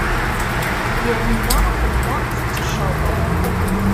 Yamina tella tettecceḍ.